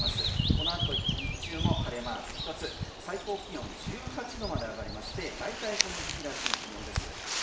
このあと１日中も晴れマーク１つ最高気温１８度まで上がりまして大体この時期らしい気温です。